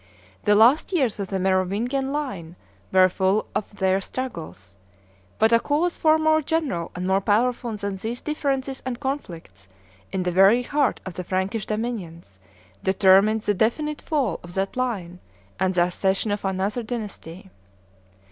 The last years of the Merovingian line were full of their struggles; but a cause far more general and more powerful than these differences and conflicts in the very heart of the Frankish dominions determined the definitive fall of that line and the accession of another dynasty.